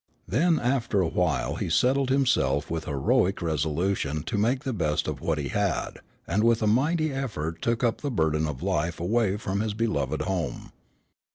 Then after a while he settled himself with heroic resolution to make the best of what he had, and with a mighty effort took up the burden of life away from his beloved home.